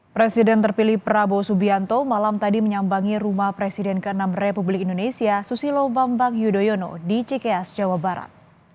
presiden terpilih prabowo subianto malam tadi menyambangi rumah presiden ke enam republik indonesia susilo bambang yudhoyono di cikeas jawa barat